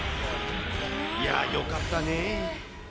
いやぁ、よかったね。